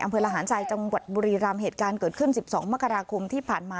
อำเภอลหาญชายจังหวัดบุรียรรมเหตุการณ์เกิดขึ้น๑๒มกราคมที่ผ่านมา